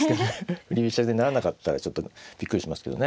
振り飛車にならなかったらちょっとびっくりしますけどね。